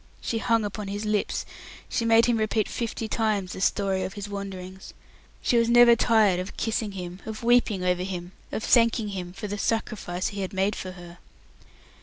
She hung upon his lips; she made him repeat fifty times the story of his wanderings. She was never tired of kissing him, of weeping over him, and of thanking him for the "sacrifice" he had made for her.